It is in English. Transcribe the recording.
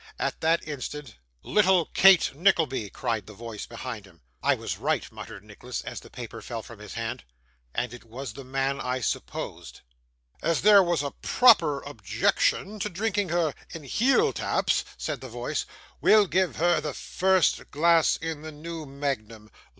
At that instant 'Little Kate Nickleby!' cried the voice behind him. 'I was right,' muttered Nicholas as the paper fell from his hand. 'And it was the man I supposed.' 'As there was a proper objection to drinking her in heel taps,' said the voice, 'we'll give her the first glass in the new magnum.